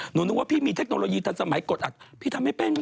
หนูนึกว่าพี่มีเทคโนโลยีทันสมัยกดอัดพี่ทำไม่เป็น